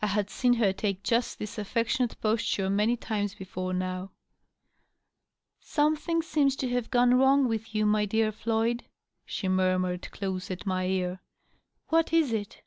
(I had seen her take just this affectionate posture many times before now !)" Something seems to have gone wrong with you, my dear Floyd," she murmured, close at my ear. " What is it